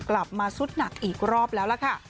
กลับมาสุดหนักอีกรอบแล้วล่ะค่ะ